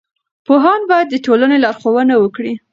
پوهان باید د ټولنې لارښوونه وکړي.